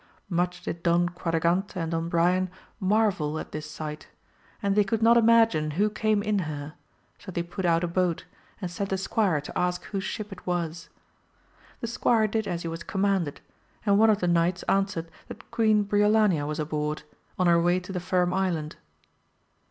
Much did Don Quadragante and Don Brian marvel at 122 AMADIS OF GAUL. tliis sight, and they could not imagine who came in her, so they put out a boat, and sent a squire to ask whose ship it was. The squire did as he was commanded, and one of the knights answered that Queen Briolania was aboard, on her way to the Firm Island.